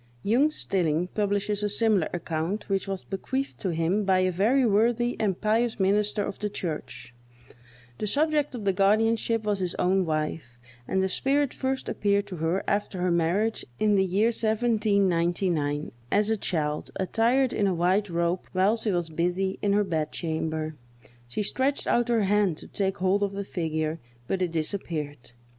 Jung Stilling publishes a similar account, which was bequeathed to him by a very worthy and pious minister of the church. The subject of the guardianship was his own wife, and the spirit first appeared to her after her marriage, in the year 1799, as a child, attired in a white robe, while she was busy in her bed chamber. She stretched out her hand to take hold of the figure, but it disappeared.